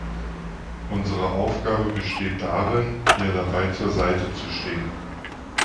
Unsere Aufgabe besteht darin, ihr dabei zur Seite zu stehen.